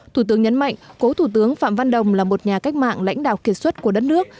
thủ tướng nhấn mạnh cố thủ tướng phạm văn đồng là một nhà cách mạng lãnh đạo kiệt xuất của đất nước